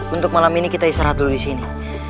untuk malam ini kita istirahat dulu disini